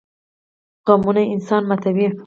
غمونه انسان ماتوي